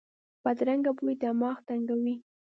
بدرنګه بوی دماغ تنګوي